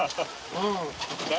うん。